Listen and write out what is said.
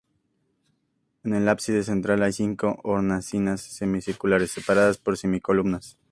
En el ábside central hay cinco hornacinas semicirculares separadas por semicolumnas.